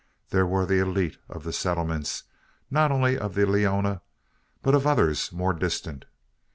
They were the elite of the Settlements not only of the Leona, but of others more distant.